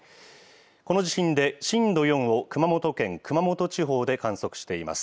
この地震で震度４を熊本県熊本地方で観測しています。